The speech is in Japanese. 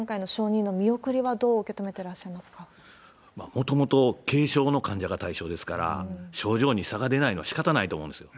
もともと軽症の患者が対象ですから、症状に差が出ないのはしかたないと思うんですよ。